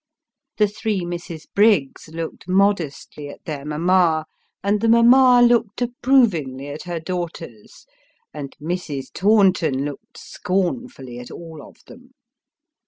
The three Misses Briggs looked modestly at their mamma, and the mamma looked approvingly at her daughters, and Mrs. Taunton looked scornfully at all of them.